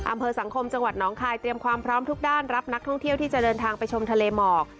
อำเภอสังคมจังหวัดน้องคายเตรียมความพร้อมทุกด้านรับนักท่องเที่ยวที่จะเดินทางไปชมทะเลหมอก